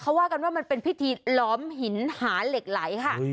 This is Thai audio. เขาว่ากันว่ามันเป็นพิธีหลอมหินหาเหล็กไหลค่ะ